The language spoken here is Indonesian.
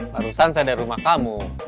barusan saya dari rumah kamu